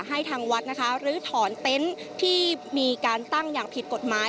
ให้ทางวัดนะคะลื้อถอนเต็นต์ที่มีการตั้งอย่างผิดกฎหมาย